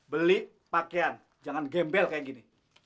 beli pakaian jangan gembel kayak gini